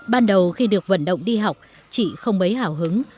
ban đầu khi được vận động đi học chị không mấy hào hứng